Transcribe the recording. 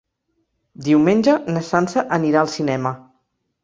Diumenge na Sança anirà al cinema.